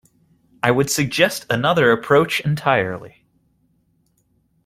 I would suggest another approach entirely.